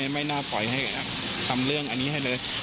ไม่น่าปล่อยให้ทำเรื่องอันนี้ให้เลย